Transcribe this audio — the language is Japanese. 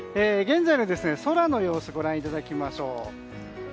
現在の空の様子をご覧いただきましょう。